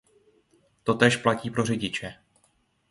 Totéž platí pro řidiče.